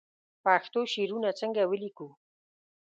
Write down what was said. پښتو شعرونه څنګه ولیکو